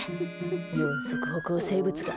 四足歩行生物が。